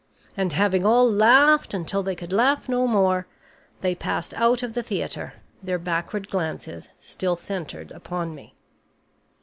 And having all laughed until they could laugh no more, they passed out of the theater, their backward glances still centered upon me.